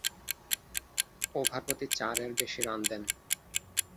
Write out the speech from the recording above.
Over প্রতি চারের বেশি রান দেন।